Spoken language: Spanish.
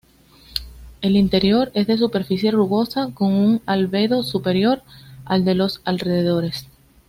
El interior es de superficie rugosa, con un albedo superior al de los alrededores.